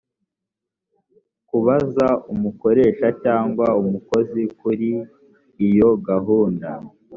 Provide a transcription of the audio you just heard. kubaza umukoresha cyangwa umukozi kuri iyo gahunda